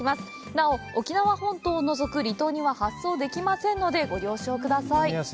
なお沖縄本島を除く、離島には発送できませんので、ご了承ください。